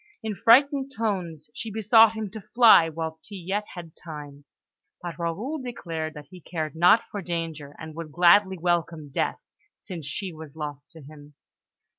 In frightened tones she besought him to fly whilst he yet had time; but Raoul declared that he cared not for danger, and would gladly welcome death, since she was lost to him.